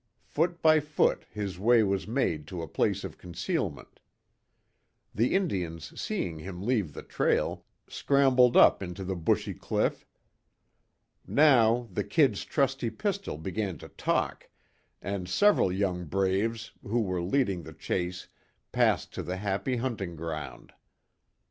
Foot by foot his way was made to a place of concealment. The Indians seeing him leave the trail, scrambled up into the bushy cliff. Now the "Kid's" trusty pistol began to talk, and several young braves, who were leading the chase passed to the "happy hunting ground."